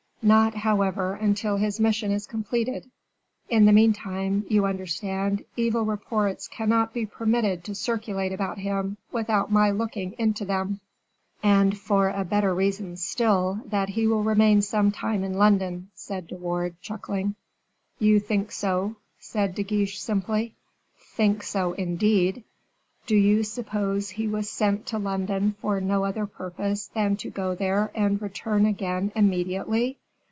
"Not, however, until his mission is completed. In the meantime, you understand, evil reports cannot be permitted to circulate about him without my looking into them." "And for a better reason still, that he will remain some time in London," said De Wardes, chuckling. "You think so," said De Guiche, simply. "Think so, indeed! do you suppose he was sent to London for no other purpose than to go there and return again immediately?